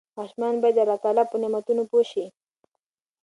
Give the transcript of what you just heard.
ماشومان باید د الله تعالی په نعمتونو پوه شي.